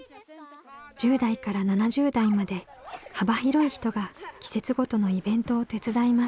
１０代から７０代まで幅広い人が季節ごとのイベントを手伝います。